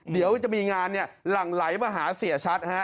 เดี๋ยวจะมีงานหลั่งไหลมาหาเสียชัดฮะ